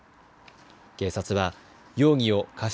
警察は容疑を過失